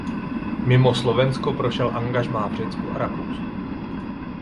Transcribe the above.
Mimo Slovensko prošel angažmá v Řecku a Rakousku.